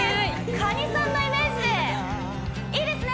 カニさんのイメージでいいですね